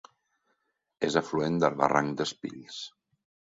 És afluent del barranc d'Espills.